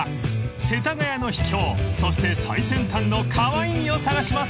世田谷の秘境そして最先端のカワイイを探します］